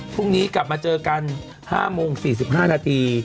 ภูรถรวงนี้กลับมาเจอกัน๕นาการ๔๕นาที